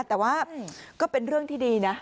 แต่ว่าก็เป็นเรื่องที่ดีนะ